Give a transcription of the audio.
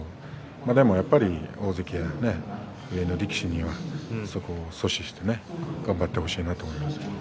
でも大関の力士にはそこを阻止して頑張ってほしいなと思います。